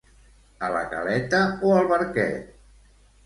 A la Caleta o al Barquet?